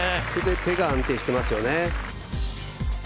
全てが安定してますよね。